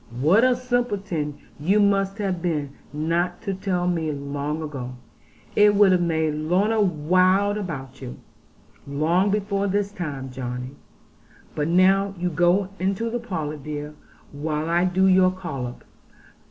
What a simpleton you must have been not to tell me long ago. I would have made Lorna wild about you, long before this time, Johnny. But now you go into the parlour, dear, while I do your collop.